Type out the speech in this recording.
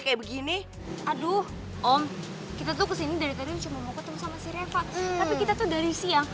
kayak begini aduh om kita tuh kesini dari kalian cuma mau ketemu sama sireva tapi kita tuh dari siang